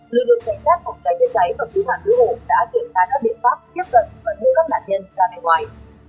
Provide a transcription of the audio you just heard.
lực lượng cảnh sát phòng cháy chơi cháy và cứu hạng cứu hổ đã triển khai các biện pháp tiếp cận và đưa các đàn nhân ra đời ngoài